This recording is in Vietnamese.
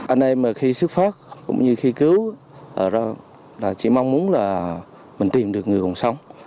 anh em mà khi xuất phát cũng như khi cứu ở đó là chỉ mong muốn là mình tìm được người còn sống